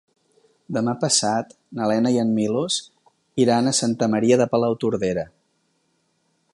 Demà passat na Lena i en Milos iran a Santa Maria de Palautordera.